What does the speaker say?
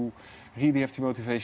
yang benar benar memiliki motivasi